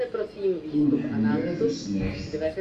Ur nḥemmel ara tusnakt.